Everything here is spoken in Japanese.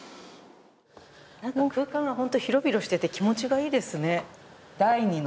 空間が広々していて気持ちいいですね。